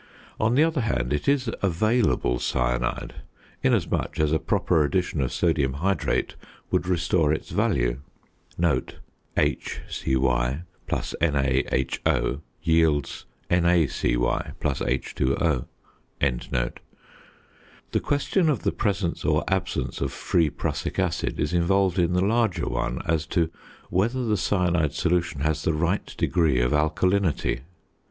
On the other hand, it is "available cyanide" inasmuch as a proper addition of sodium hydrate would restore its value. The question of the presence or absence of free prussic acid is involved in the larger one as to whether the cyanide solution has the right degree of alkalinity.